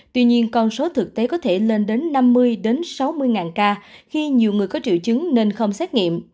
tuy nhiên con số thực tế có thể lên đến năm mươi sáu mươi ngàn ca khi nhiều người có triệu chứng nên không xét nghiệm